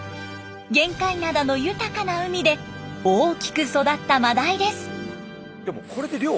玄界灘の豊かな海で大きく育ったマダイです。